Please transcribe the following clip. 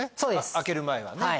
開ける前はね。